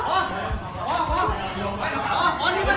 แฟนที่ไปเสี่ยงคาแฟนขัดขัด